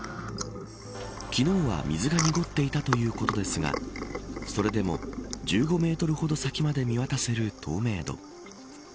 昨日は水が濁っていたということですがそれでも１５メートルほど先まで見渡せる透明度。